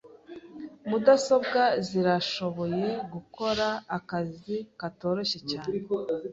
Mudasobwa zirashoboye gukora akazi katoroshye cyane.